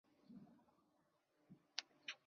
我们要四小时内交货